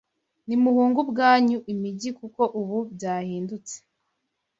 Nimuhunge bwangu imijyi kuko ubu byahindutse.”